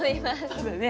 そうだね。